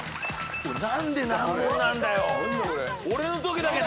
何で難問なんだよ。